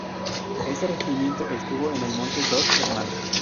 Este Regimiento estuvo en el monte Dos Hermanas.